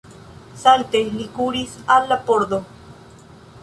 Salte li kuris al la pordo.